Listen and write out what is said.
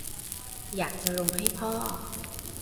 อยากจะลงให้พ่อ